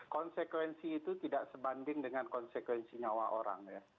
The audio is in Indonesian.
konsekuensi itu tidak sebanding dengan konsekuensi nyawa orang ya